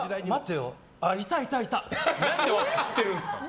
何で知っているんですか？